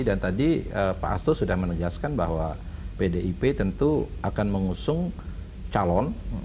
dan tadi pak astro sudah menegaskan bahwa pdip tentu akan mengusung calon